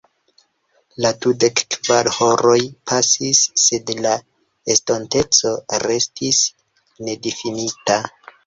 La dudek-kvar horoj pasis, sed la estonteco restis nedifinita.